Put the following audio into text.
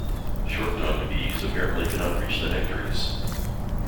Short-tongued bees apparently cannot reach the nectaries.